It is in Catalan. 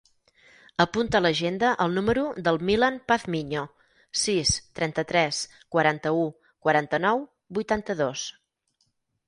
Apunta a l'agenda el número del Milan Pazmiño: sis, trenta-tres, quaranta-u, quaranta-nou, vuitanta-dos.